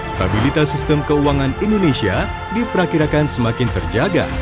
stabilitas sistem keuangan indonesia diperkirakan semakin terjaga